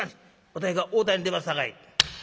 私が応対に出ますさかいに。